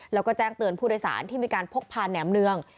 แล้วก็แจ้งเตือนผู้โดยสารที่มีการพกพาแหนมเนือง